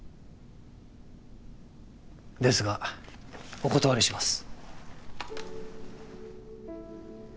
ですがお断りします。